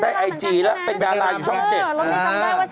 ไอจีแล้วเป็นดาราอยู่ช่อง๗